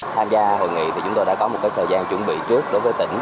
tham gia hội nghị thì chúng tôi đã có một thời gian chuẩn bị trước đối với tỉnh